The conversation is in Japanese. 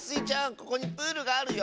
ここにプールがあるよ。